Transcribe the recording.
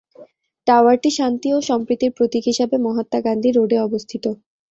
টাওয়ারটি শান্তি ও সম্প্রীতির প্রতীক হিসেবে মহাত্মা গান্ধী রোড এ অবস্থিত।